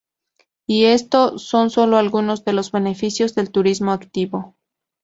Y esto son solo algunos de los beneficios del turismo activo.